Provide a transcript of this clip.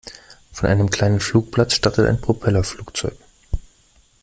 Von einem kleinen Flugplatz startet ein Propellerflugzeug.